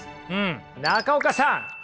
中岡さん